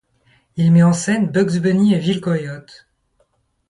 Il met en scène Bugs Bunny et Vil Coyote.